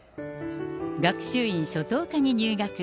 学習院初等科に入学。